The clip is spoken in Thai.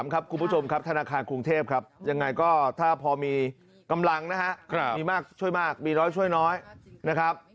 คุณผู้ชมครับธนาคารกรุงเทพครับยังไงก็ถ้าพอมีกำลังนะครับมีมากช่วยมากมีน้อยช่วยน้อยนะครับ